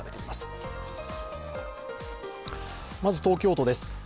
まず東京都です。